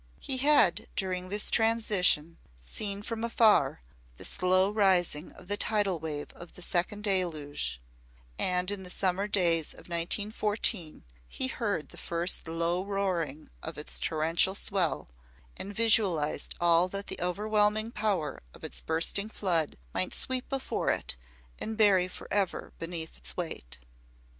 He had, during this transition, seen from afar the slow rising of the tidal wave of the Second Deluge; and in the summer days of 1914 he heard the first low roaring of its torrential swell, and visualised all that the overwhelming power of its bursting flood might sweep before it and bury forever beneath its weight.